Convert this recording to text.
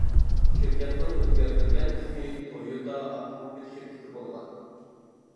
شىركەتنىڭ ئۆزگەرتىلگەن ئىسمى تويوتا ئاپتوموبىل شىركىتى بولغان.